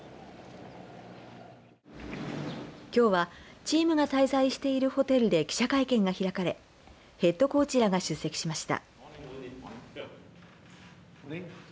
きょうはチームが滞在しているホテルで記者会見が開かれヘッドコーチらが出席しました。